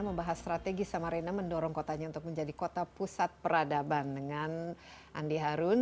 membahas strategi samarinda mendorong kotanya untuk menjadi kota pusat peradaban dengan andi harun